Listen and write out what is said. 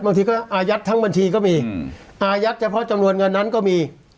บางทีก็อายัดทั้งบัญชีก็มีอายัดเฉพาะจำนวนเงินนั้นก็มี